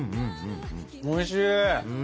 おいしい。